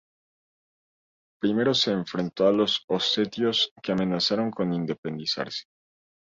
Primero se enfrentó a los osetios que amenazaron con independizarse.